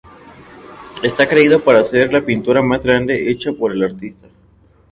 Está creído para ser la pintura más grande hecha por el artista.